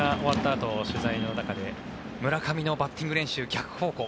あと取材の中で村上のバッティング練習逆方向